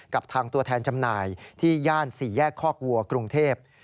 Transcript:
กับทางตัวแทนจำหน่ายที่ย่าน๔แยกคอกวัวกรุงเทพ